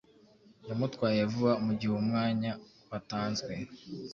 Yamutwaye vuba mugihe umwanya watanzwe